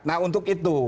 nah untuk itu